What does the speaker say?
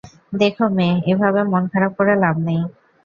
দেখো মেয়ে, এভাবে মন খারাপ করে লাভ নেই।